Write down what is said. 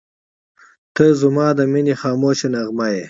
• ته زما د مینې خاموشه نغمه یې.